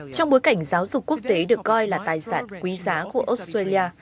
trong bối cảnh giáo dục quốc tế được coi là tài sản quý giá của australia